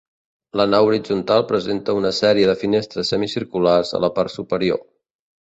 La nau horitzontal presenta una sèrie de finestres semicirculars a la part superior.